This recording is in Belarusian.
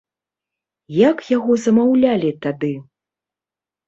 Як яго замаўлялі тады?